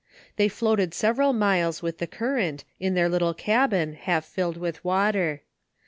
They floated several miles with the current, in their little cabin, half filled with water.